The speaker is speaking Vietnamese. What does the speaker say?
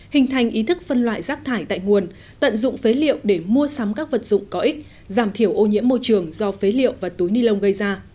hình thành ý thức phân loại rác thải tại nguồn tận dụng phế liệu để mua sắm các vật dụng có ích giảm thiểu ô nhiễm môi trường do phế liệu và túi ni lông gây ra